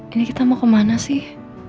ini kita mau kemana sih